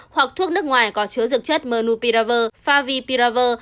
hoặc thuốc nước ngoài có chứa dược chất monopiravir favipiravir